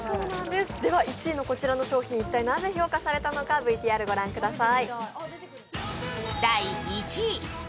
１位のこちらの商品、なぜ評価されたのか、ＶＴＲを御覧ください。